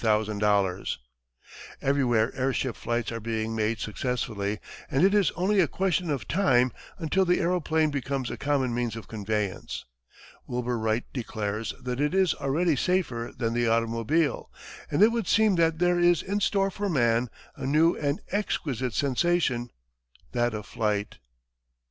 Everywhere air ship flights are being made successfully, and it is only a question of time until the aeroplane becomes a common means of conveyance. Wilbur Wright declares that it is already safer than the automobile, and it would seem that there is in store for man a new and exquisite sensation, that of flight.